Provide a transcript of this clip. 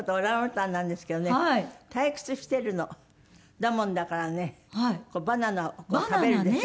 だもんだからねバナナを食べるでしょ。